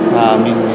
và mình luôn